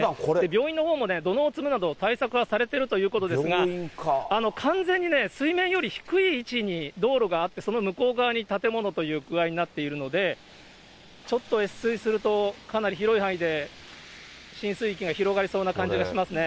病院のほうも土のうを積むなど、対策はされているということですが、完全にね、水面より低い位置に道路があって、その向こう側に建物という具合になっているので、ちょっと越水すると、かなり広い範囲で浸水域が広がりそうな感じがしますね。